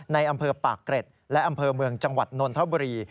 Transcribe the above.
ในอำเภอปากเกร็ดและอำเภอเมืองจังหวัดนนทบุรี